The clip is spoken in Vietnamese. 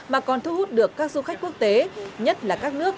mà còn thu hút được các du khách quốc tế nhất là các nước